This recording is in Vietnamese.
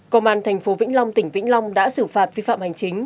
công an thành phố vĩnh long tỉnh vĩnh long đã xử phạt vi phạm hành chính